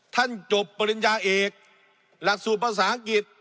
จบปริญญาเอกหลักสูตรภาษาอังกฤษ